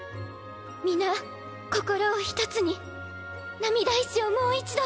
皆心を一つに涙石をもう一度。